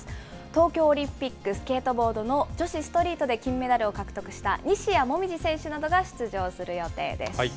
東京オリンピック、スケートボードの女子ストリートで金メダルを獲得した西矢椛選手などが出場する予定です。